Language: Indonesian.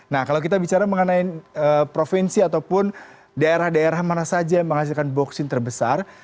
nah kalau kita bicara mengenai provinsi ataupun daerah daerah mana saja yang menghasilkan boksit terbesar